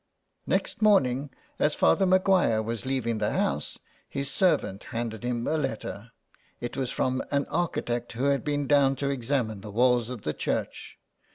Next morning, as Father Maguire was leaving the house, his servant handed him a letter. It was from an architect who had been down to examine the walls of the church.